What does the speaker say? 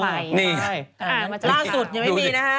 ล่าสุดยังไม่มีนะฮะ